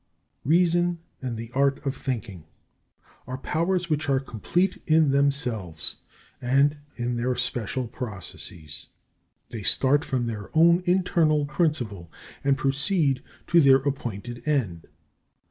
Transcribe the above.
14. Reason, and the art of thinking, are powers which are complete in themselves, and in their special processes. They start from their own internal principle, and proceed to their appointed end.